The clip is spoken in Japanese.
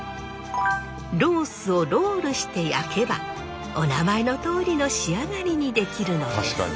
ロースをロールして焼けばおなまえのとおりの仕上がりにできるのです。